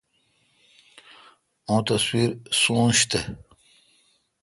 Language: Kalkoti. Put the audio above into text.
او تصویر سیدہ تھ۔